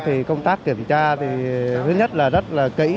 thì công tác kiểm tra thì thứ nhất là rất là kỹ